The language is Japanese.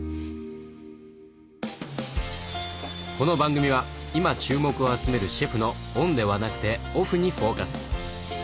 この番組は今注目を集めるシェフのオンではなくてオフにフォーカス。